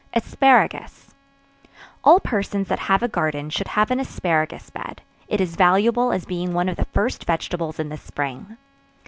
Asparagus. All persons that have a garden should have an asparagus bed; it is valuable as being one of the first vegetables in the spring.